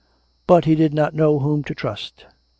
But we did not know whom to trust.